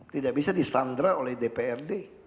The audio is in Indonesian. tidak bisa di sandera oleh dprd